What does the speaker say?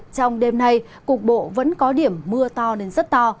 trong đêm nay cục bộ vẫn có điểm mưa to đến rất to